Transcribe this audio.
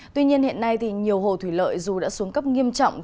tuy nhiên hiện nay nhiều hồ thủy lợi dù đã xuống cấp nghiêm trọng